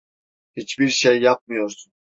Hiçbir şey yapmıyorsun.